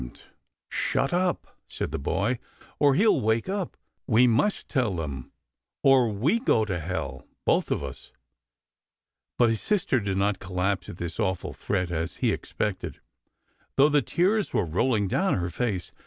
AND WHO SHALL SAY ? 221 " Shut up !" said the boy, " or he'll wake up. We must tell them, or we go to hell both of us." But his sister did not collapse at this awful threat, as he expected, though the tears were rolling down her face.